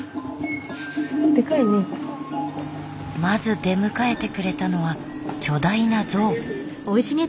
まず出迎えてくれたのは巨大な像。